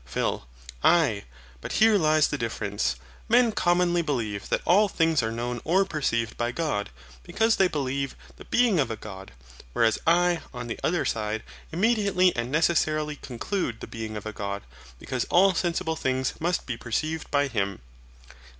PHIL. Aye, but here lies the difference. Men commonly believe that all things are known or perceived by God, because they believe the being of a God; whereas I, on the other side, immediately and necessarily conclude the being of a God, because all sensible things must be perceived by Him.